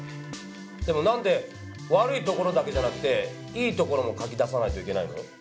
でもなんで悪いところだけじゃなくていい所も書き出さないといけないの？